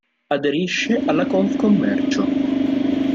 Aderisce alla Confcommercio.